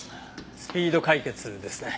スピード解決ですね。